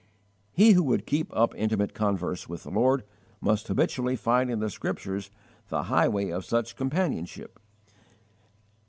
He who would keep up intimate converse with the Lord must habitually find in the Scriptures the highway of such companionship.